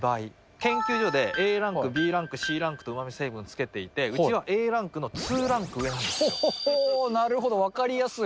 研究所でＡランク、Ｂランク、Ｃランクとうまみ成分つけていて、うちはＡランクの２ランク上なんほほほー、なるほど、分かりやすい。